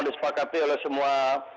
disepakati oleh semua